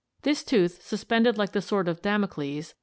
This tooth, suspended like the sword of Damocles (PI.